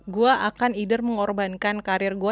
gue akan either mengorbankan karir gue